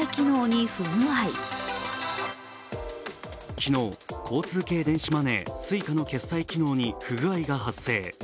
昨日、交通系電子マネー・Ｓｕｉｃａの決済機能に不具合が発生。